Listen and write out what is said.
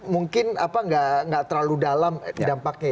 mungkin gak terlalu dalam dampaknya ya